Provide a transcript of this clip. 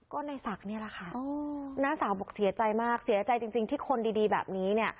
ก็ในศักดิ์นี่แหละค่ะน้าสาวบอกเสียใจมากเสียใจจริงที่คนดีแบบนี้เนี่ย